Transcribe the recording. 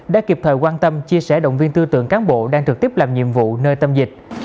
đã kịp thời quan tâm chia sẻ động viên tư tưởng cán bộ đang trực tiếp làm nhiệm vụ nơi tâm dịch